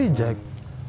ditelepon terus diri jack